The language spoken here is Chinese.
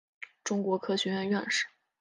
中国科学院院士。